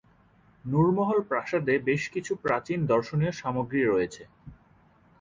নুর মহল প্রাসাদে বেশ কিছু প্রাচীন দর্শনীয় সামগ্রী রয়েছে।